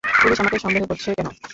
Police আমাকে সন্দেহ করছে, -কেনো?